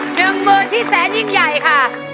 ๑หมื่นที่แซนยิ่งใหญ่ค่ะ